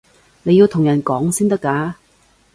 你要同人講先得㗎